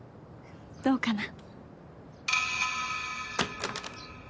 どうかな？